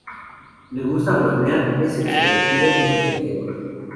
Le gusta bromear, es extrovertido e inteligente.